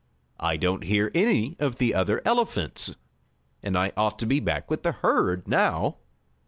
"I don't hear any of the other elephants. And I ought to be back with the herd now."